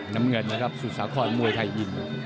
น้ำเงินนะครับสุสาครมวยไทยยิม